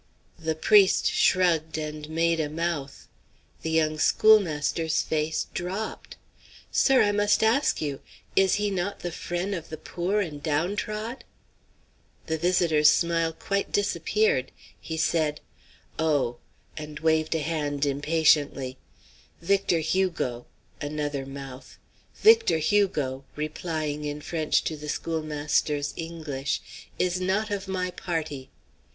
The priest shrugged and made a mouth. The young schoolmaster's face dropped. "Sir, I must ask you is he not the frien' of the poor and downtrod?" The visitor's smile quite disappeared. He said: "Oh!" and waved a hand impatiently; "Victor Hugo" another mouth "Victor Hugo" replying in French to the schoolmaster's English "is not of my party."